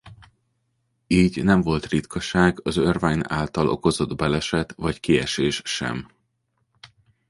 Így nem volt ritkaság az Irvine által okozott baleset vagy kiesés sem.